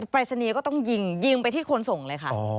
ปรายศนีย์ก็ต้องยิงยิงไปที่คนส่งเลยค่ะ